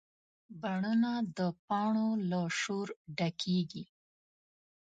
بڼونه د پاڼو له شور ډکېږي